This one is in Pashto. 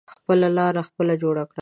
خپله لاره خپله جوړه کړی.